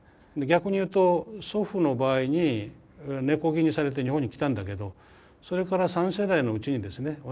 逆に言うと祖父の場合に根こぎにされて日本に来たんだけどそれから３世代のうちにですね